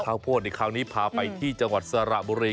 ข้าวโพดในคราวนี้พาไปที่จังหวัดสระบุรี